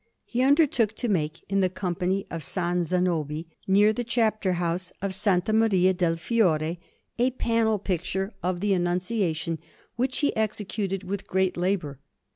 He undertook to make, in the Company of S. Zanobi, near the Chapter house of S. Maria del Fiore, a panel picture of the Annunciation, which he executed with great labour.